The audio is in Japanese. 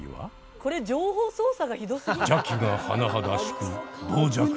これ情報操作がひどすぎない？